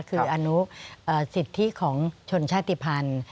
คืออนุสิทธิของชนชาติภัณฑ์